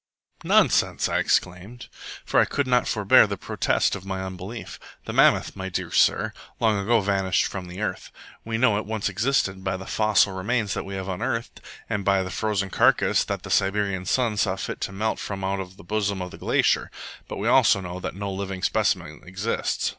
"Nonsense!" I exclaimed, for I could not forbear the protest of my unbelief. "The mammoth, my dear sir, long ago vanished from the earth. We know it once existed by the fossil remains that we have unearthed, and by a frozen carcase that the Siberian sun saw fit to melt from out the bosom of a glacier; but we also know that no living specimen exists.